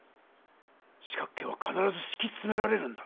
四角形はかならずしきつめられるんだ。